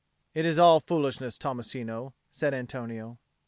"It is all foolishness, Tommasino," said Antonio.